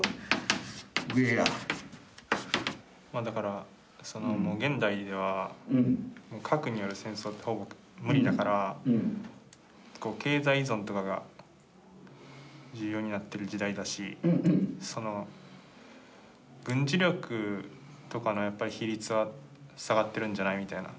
まあだからその現代では経済依存とかが重要になってる時代だしその軍事力とかのやっぱり比率は下がってるんじゃないみたいな。